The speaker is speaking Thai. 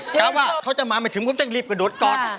แค่ว่าเขาจะมาหมายถึงผมจะรีบกระดดก่อน